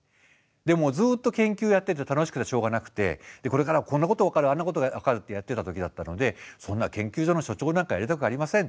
でもずっと研究やってて楽しくてしょうがなくてこれからこんなこと分かるあんなことが分かるってやってた時だったのでそんな研究所の所長なんかやりたくありません。